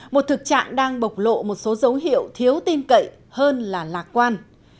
một thực trạng đang bộc lộ một số dấu hiệu thiếu tin cậy hơn là lạc quan